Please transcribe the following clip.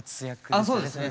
あっそうですね。